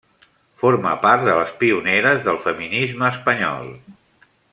Forma part de les pioneres del feminisme espanyol.